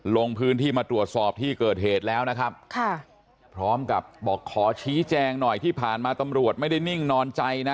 ลงพื้นที่มาตรวจสอบที่เกิดเหตุแล้วนะครับค่ะพร้อมกับบอกขอชี้แจงหน่อยที่ผ่านมาตำรวจไม่ได้นิ่งนอนใจนะ